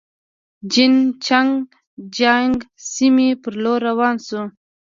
جین چنګ جیانګ سیمې پر لور روان شوو.